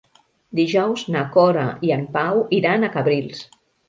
Dijous na Cora i en Pau iran a Cabrils.